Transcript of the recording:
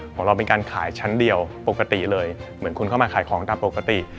ของเราเป็นการขายชั้นเดียวปกติเลยเหมือนคุณเข้ามาขายของตามปกติ